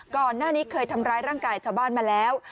ก่อนหน้านี้เคยทำร้ายร่างกายชาวบ้านมาแล้ว